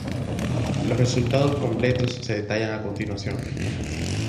Los resultados completos se detallan a continuación.